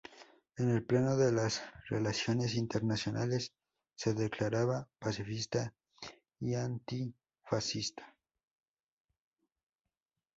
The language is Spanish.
En el plano de las relaciones internacionales, se declaraba pacifista y antifascista.